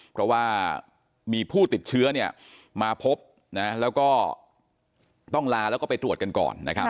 เพราะว่ามีผู้ติดเชื้อมาพบและก็ต้องลาไปตรวจกันก่อน